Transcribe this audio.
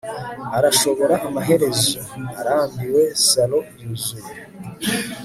Arashobora amaherezo arambiwe salon yuzuye